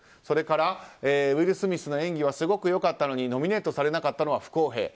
それからウィル・スミスの演技はすごく良かったのにノミネートされなかったのは不公平。